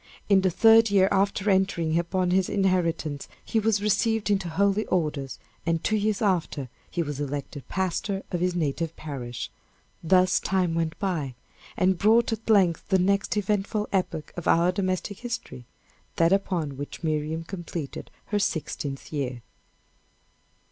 In the third year after entering upon his inheritance, he was received into holy orders; and two years after, he was elected pastor of his native parish. Thus time went by, and brought at length the next eventful epoch of our domestic history that upon which Miriam completed her sixteenth year.